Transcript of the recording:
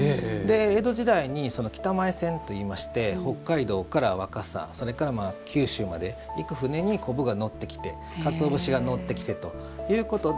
江戸時代に北前船といいまして北海道から若狭それから九州まで行く船にこぶが載ってきてかつお節が乗ってきてということで。